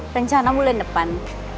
rencana bulan depan